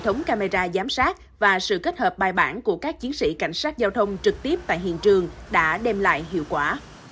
hệ thống camera giám sát và sự kết hợp bài bản của các chiến sĩ cảnh sát giao thông trực tiếp tại hiện trường đã đem lại hiệu quả